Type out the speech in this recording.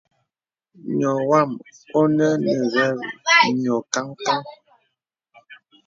Nyɔ̄ wàm ɔ̀nə nə v yɔ̄ kan kan.